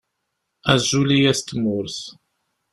Azul i yat Tmurt!